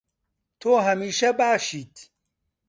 تۆ هەمیشە باشیت.